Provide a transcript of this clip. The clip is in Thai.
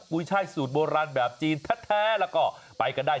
ุ้ยช่ายสูตรโบราณแบบจีนแท้แล้วก็ไปกันได้